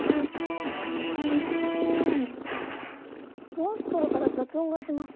モンストロから雑音がします。